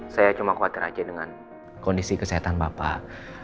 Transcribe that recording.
saya cuma khawatir aja dengan kondisi kesehatan bapak